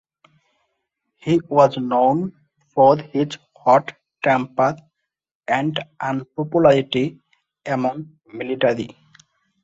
He was known for his hot temper and unpopularity among military.